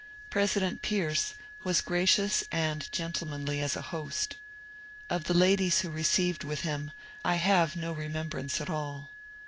President Pierce was gracious and gentlemanly as a host. Of the ladies who received with him I have no remembrance at all.